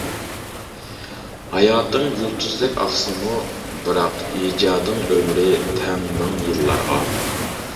ھاياتىڭ يۇلتۇزدەك ئاقسىمۇ، بىراق، ئىجادىڭ ئۆمرى تەڭ مىڭ يىللارغا.